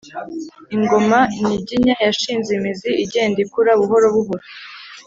ingoma nyiginya yashinze imizi igenda ikura buhorobuhoro